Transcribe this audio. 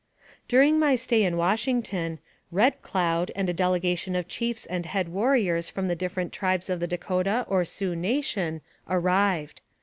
During my stay in Washington, Red Cloud, and a delegation of chiefs and head warriors from the differ ent tribes of the Dakota or Sioux nation, arrived.